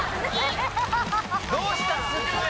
どうした？